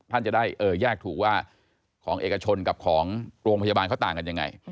ท่านจะได้แยกถูกว่าของเอกชนกับของโรงพยาบาลเขาต่างกันยังไง